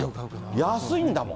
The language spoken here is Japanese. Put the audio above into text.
安いんだもん。